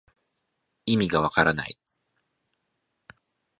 いみがわからない